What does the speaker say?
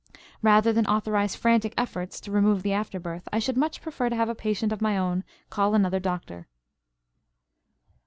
Rather than authorize frantic efforts to remove the afterbirth, I should much prefer to have a patient of my own call another doctor.